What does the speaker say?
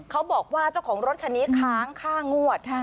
เขาบอกว่าเจ้าของรถคันนี้ค้างค่างวด